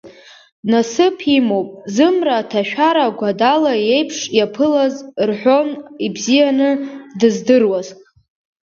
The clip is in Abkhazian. Насыԥ имоуп, зымра аҭашәара Гәадала иеиԥш иаԥылаз, рҳәон ибзианы дыздыруаз.